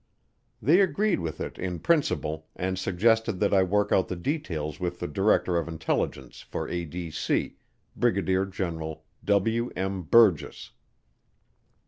They agreed with it in principle and suggested that I work out the details with the Director of Intelligence for ADC, Brigadier General W. M. Burgess.